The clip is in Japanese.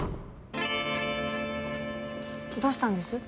どうしたんです？